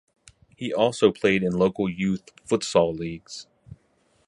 He also played in local youth futsal leagues.